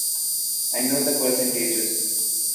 I know the percentages!